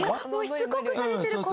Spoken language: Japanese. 「しつこくされてる怖い！」